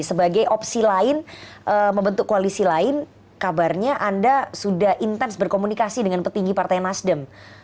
sebagai opsi lain membentuk koalisi lain kabarnya anda sudah intens berkomunikasi dengan petinggi partai nasdem